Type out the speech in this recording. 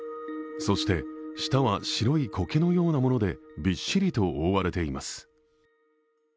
そして舌は白いこけのようなものでびっしりと覆われています。